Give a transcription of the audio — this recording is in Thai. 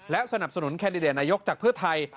และสนับสนุนแคนดิเดตนายกจากเพื่อไทย